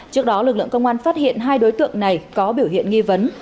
trước đó lực lượng công an phát hiện hai đối tượng này có biểu hiện nghi vấn